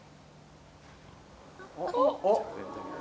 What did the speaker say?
おっ。